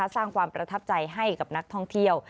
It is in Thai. สร้างความประทับใจให้กับนักท่องเที่ยว